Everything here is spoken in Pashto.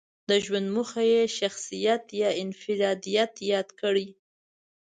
د ژوند موخه یې شخصيت يا انفراديت ياد کړی.